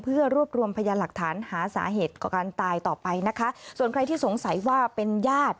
เพื่อรวบรวมพยานหลักฐานหาสาเหตุการตายต่อไปนะคะส่วนใครที่สงสัยว่าเป็นญาติ